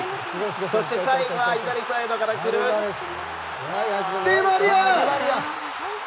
そして最後は左サイドから、ディマリア！